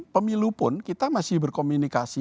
pemilu pun kita masih berkomunikasi